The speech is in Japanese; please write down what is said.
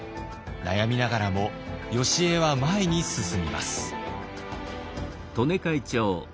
悩みながらもよしえは前に進みます。